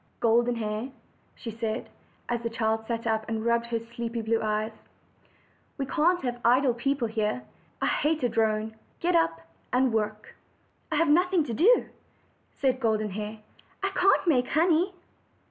''Golden Hair," she said, as the child sat up and rubbed her sleepy blue eyes, ''we can't have idle people here. I hate a drone: get up and work." "I have nothing to do," said Golden Hair; "I can't make honey."